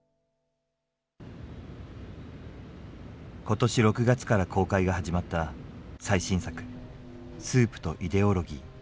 今年６月から公開が始まった最新作「スープとイデオロギー」。